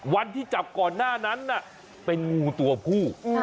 วันที่จับก่อนหน้านั้นเป็นงูตัวผู้